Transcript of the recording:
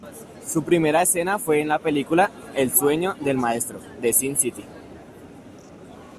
Su primera escena fue en la película el "Sueño del Maestro" de Sin City.